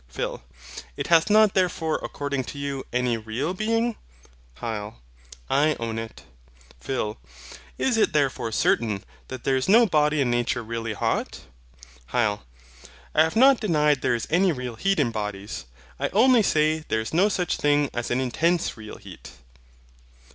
PHIL. It hath not therefore according to you, any REAL being? HYL. I own it. PHIL. Is it therefore certain, that there is no body in nature really hot? HYL. I have not denied there is any real heat in bodies. I only say, there is no such thing as an intense real heat.